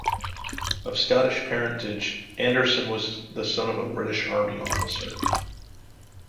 Of Scottish parentage, Anderson was the son of a British Army officer.